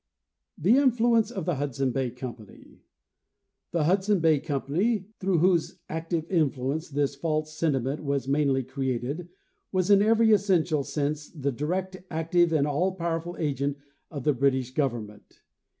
The Influence of the Hudson Bay Company. The Hudson Bay company, through whose active influence this false sentiment was mainly created, was in every essential sense the direct, active and all powerful agent of the British government.